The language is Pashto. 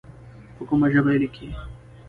په کومه ژبه یې لیکې.